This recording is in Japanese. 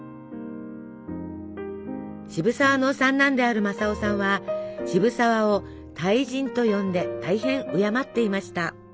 渋沢の三男である正雄さんは渋沢を大人と呼んで大変敬っていました。